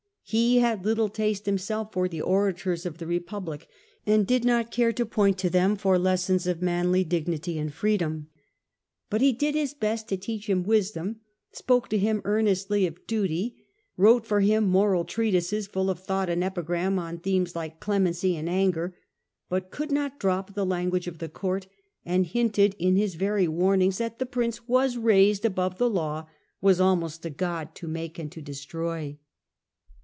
He had little taste him self for the orators of the Republic, and did not care to point to them for lessons of manly dignity and freedom. But he did his best to teach him wisdom, spoke to him In spite of earnestly of duty, wrote for him moral trea to*f6nn hU tises, full of thought and epigiam, on themes tastes like clemency and anger, but could not drop the language of the court, and hinted in his very warn ings that the prince was raised above the law — was almost a god to make and to destroy.